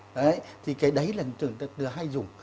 đấy thì cái đấy là trường tập được hay dùng